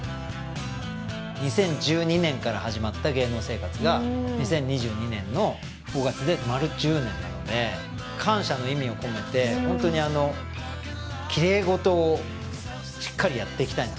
２０１２年から始まった芸能生活が２０２２年の５月で丸１０年なので感謝の意味を込めてホントにあのきれい事をしっかりやっていきたいな